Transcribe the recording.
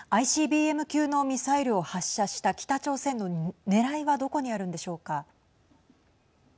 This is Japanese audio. ＩＣＢＭ級のミサイルを発射した北朝鮮のねらいはどこにあるんでしょうか。